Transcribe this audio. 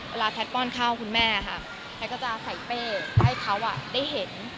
เวลาแพทย์ป้อนข้าวคุณแม่ค่ะแพทย์ก็จะใส่เป้ให้เขาได้เห็น